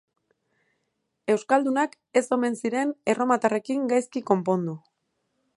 Euskaldunak ez omen ziren erromatarrekin gaizki konpondu.